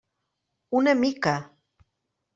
Una mica.